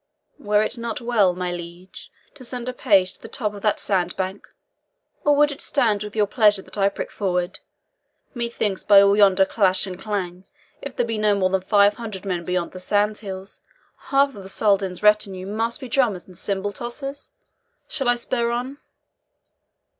"Were it not well, my liege, to send a page to the top of that sand bank? Or would it stand with your pleasure that I prick forward? Methinks, by all yonder clash and clang, if there be no more than five hundred men beyond the sand hills, half of the Soldan's retinue must be drummers and cymbal tossers. Shall I spur on?"